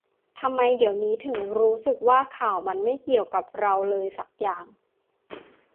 ทำไมเดี๋ยวนี้ถึงรู้สึกว่าข่าวมันไม่เกี่ยวกับเราเลยสักอย่าง